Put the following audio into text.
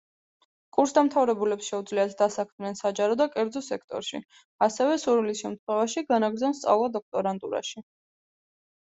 კურსდამთავრებულებს შეუძლიათ დასაქმდნენ საჯარო და კერძო სექტორში, ასევე, სურვილის შემთხვევაში, განაგრძონ სწავლა დოქტორანტურაში.